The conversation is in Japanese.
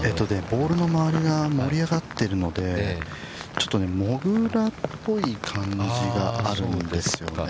◆ボールの周りが盛り上がっているので、ちょっとモグラっぽい感じがあるんですよね。